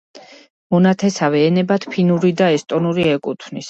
მონათესავე ენებად ფინური და ესტონური ეკუთვნის.